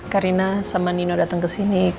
karina sama nino datang ke sini